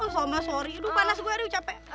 somba sorry aduh panas gue udah capek